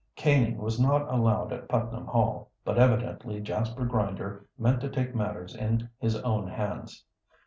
Caning was not allowed at Putnam Hall, but evidently Jasper Grinder meant to take matters in his own hands.